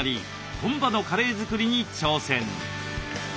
本場のカレー作りに挑戦！